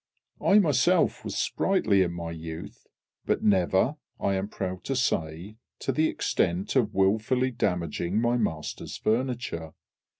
I myself was sprightly in my youth, but never, I am proud to say, to the extent of wilfully damaging my master's furniture!